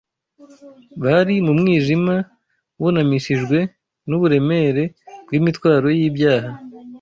bari mu mwijima, bunamishijwe n’uburemere bw’imitwaro y’ibyaha